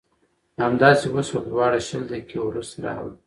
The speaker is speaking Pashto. همداسې وشول دواړه شل دقیقې وروسته راغلل.